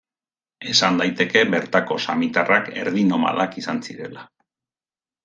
Esan daiteke bertako samitarrak erdi nomadak izan zirela.